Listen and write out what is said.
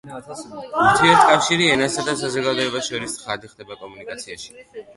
ურთიერთკავშირი ენასა და საზოგადოებას შორის ცხადი ხდება კომუნიკაციაში.